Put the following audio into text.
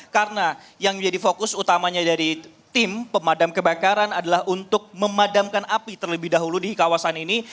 karena yang menjadi fokus utamanya dari tim pemadam kebakaran adalah untuk memadamkan api terlebih dahulu di kawasan ini